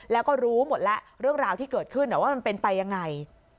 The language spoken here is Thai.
แล้วก็รู้หมดแล้วเรื่องราวที่เกิดขึ้นว่ามันเป็นไปยังไง